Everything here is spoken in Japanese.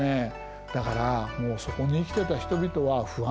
だからもうそこに生きていた人々は不安でしょうがない。